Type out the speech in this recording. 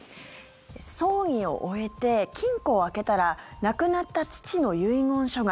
葬儀を終えて金庫を開けたら亡くなった父の遺言書が。